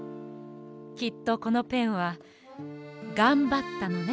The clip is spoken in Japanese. きっとこのペンはがんばったのね。